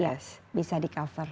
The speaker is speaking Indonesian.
iya bisa di cover